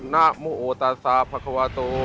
นามโมโตซาภาควาโต